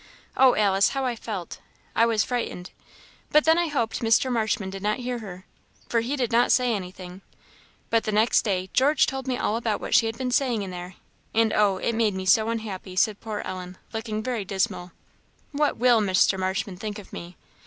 Oh, Alice, how I felt! I was frightened; but then I hoped Mr. Marshman did not hear her, for he did not say anything; but the next day George told me all about what she had been saying in there, and oh! it made me so unhappy!" said poor Ellen, looking very dismal. "What will Mr. Marshman think of me?